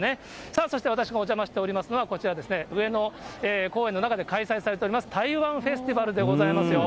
さあそして、私がお邪魔しておりますのは、こちらですね、上野公園の中で開催されております、台湾フェスティバルでございますよ。